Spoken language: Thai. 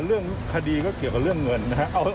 เรื่องคดีก็เกี่ยวกับเรื่องเงินนะครับ